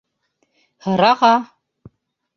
Һыраға!